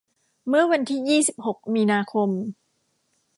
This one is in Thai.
เมื่อวันที่ยี่สิบหกมีนาคม